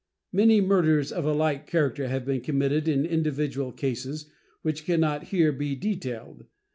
Many murders of a like character have been committed in individual cases, which can not here be detailed.